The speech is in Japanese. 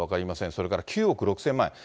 それから９億６０００万円。